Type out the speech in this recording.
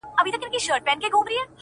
دا ستا چي گراني ستا تصوير په خوب وويني!!